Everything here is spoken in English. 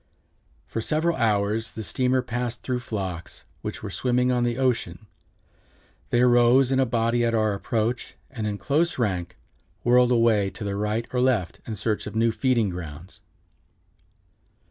For several hours the steamer passed through flocks, which were swimming on the ocean. They arose in a body at our approach, and in close rank whirled away to the right or left in search of new feeding grounds."